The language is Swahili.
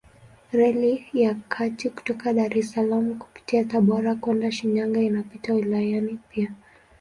Reli ya kati kutoka Dar es Salaam kupitia Tabora kwenda Shinyanga inapita wilayani pia.